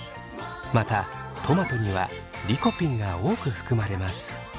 またトマトにはリコピンが多く含まれます。